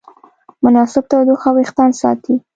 مناسب تودوخه وېښتيان ساتي.